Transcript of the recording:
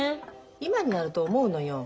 今になると思うのよ。